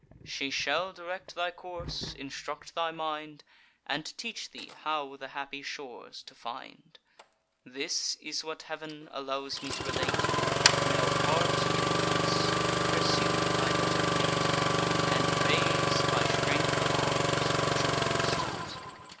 She shall direct thy course, instruct thy mind, And teach thee how the happy shores to find. This is what Heav'n allows me to relate: Now part in peace; pursue thy better fate, And raise, by strength of arms, the Trojan state.